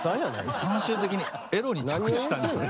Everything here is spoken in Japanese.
最終的にエロに着地したんですね。